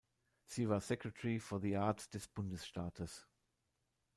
Sie war "Secretary for the Arts" des Bundesstaates.